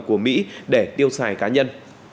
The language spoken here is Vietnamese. của mỹ để tiêu xài cá nhân